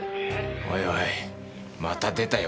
おいおいまた出たよ。